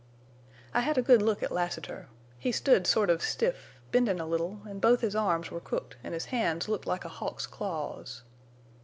"I hed a good look at Lassiter. He stood sort of stiff, bendin' a little, an' both his arms were crooked an' his hands looked like a hawk's claws.